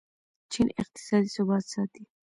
چین اقتصادي ثبات ساتي.